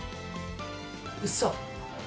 うそ！